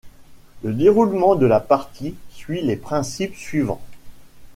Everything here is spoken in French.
Le déroulement de la partie suit les principes suivants.